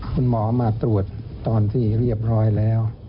คุณหมอมาตรวจตอนที่เรียบร้อยแล้ว